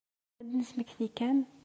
Ad d-nesmekti kan.